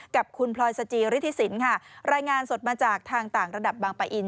กับคุณพลอยสจิฤทธิสินค่ะรายงานสดมาจากทางต่างระดับบางปะอิน